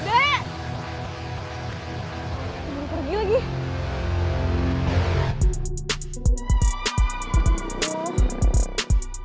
memang kita udah jadi banduk soalnya ya